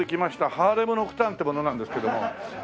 ハーレム・ノクターンって者なんですけども。